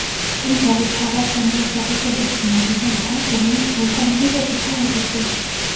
მყინვარი ფარავს ამავე სახელწოდების მაგიდა მთას, რომელიც ვულკანური ტუფითაა აგებული.